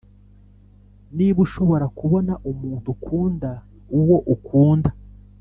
niba ushobora kubona umuntu ukunda uwo ukunda,